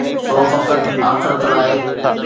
سو فقط آخرت لاءِ.